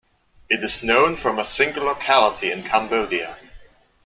It is known from a single locality in Cambodia.